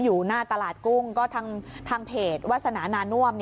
อยู่หน้าตลาดกุ้งก็ทางเพจวาสนานาน่วม